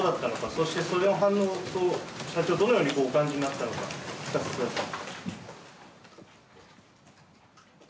そして、その反応をどのようにお感じになったのか聞かせてください。